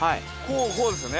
こうですよね。